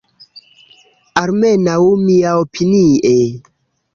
Almenaŭ, miaopinie.